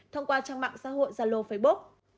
thông qua trang mạng xã hội zalo facebook